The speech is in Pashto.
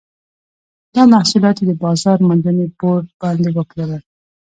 دا محصولات یې د بازار موندنې بورډ باندې وپلورل.